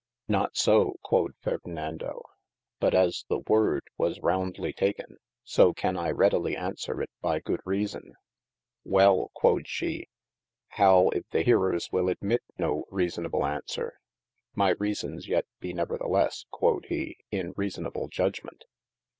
Not so (quod Ferdinando) but as the woorde was roundly taken, so can I readely answere it by good reason. Well quod shee, howe if the hearers will admit no reasonable answere ? My reasons yet bee neverthe lesse (quod he) in reasonable judgement.